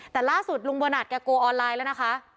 แต่ล่าสุดลุงเบอร์นัดแกโกออนไลน์แล้วนะคะ